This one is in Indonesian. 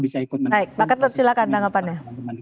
bisa ikut menangani pak ketut silahkan tanggapannya